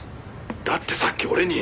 「だってさっき俺に」